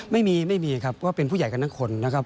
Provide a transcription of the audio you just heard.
ไม่มีครับเพราะว่าเป็นผู้ใหญ่กับนักคนนะครับ